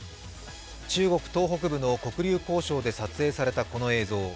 中国東北部の黒竜江省で撮影されたこの映像。